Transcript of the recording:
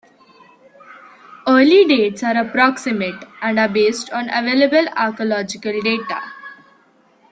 Early dates are approximate, and are based on available archaeological data.